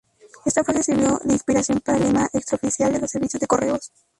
Esta frase sirvió de inspiración para el lema extraoficial de los servicios de correos.